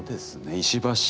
石橋